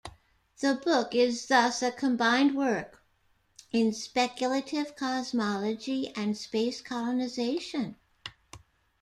The book is thus a combined work in speculative cosmology and space colonization.